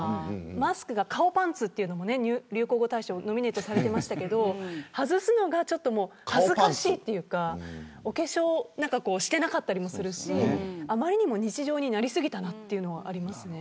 マスクが顔パンツというのも流行語大賞ノミネートにありましたが外すのが恥ずかしいというかお化粧をしていなかったりもするしあまりにも日常になり過ぎたと思います。